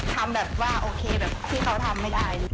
ทำโอเคแบบที่เอาทำไม่ได้